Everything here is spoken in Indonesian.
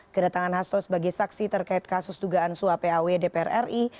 kedatangan hasto sebagai saksi terkait kasus dugaan suap paw dpr ri